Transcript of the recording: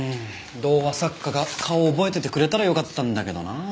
童話作家が顔を覚えててくれたらよかったんだけどな。